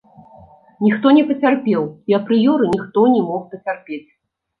Ніхто не пацярпеў, і апрыёры ніхто не мог пацярпець.